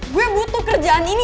gue butuh kerjaan ini